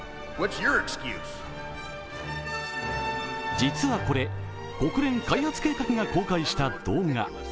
実はこれ、国連開発計画が公開した動画。